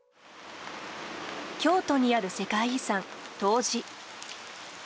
京都にある世界遺産、東寺。